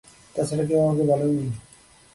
তাছাড়া কেউ আমাকে বলেও নি।